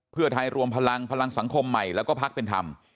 เพื่อไทยรวมพลังพลังสังคมใหม่แล้วก็พักเป็นธรรม